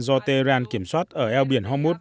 do tehran kiểm soát ở eo biển hormuz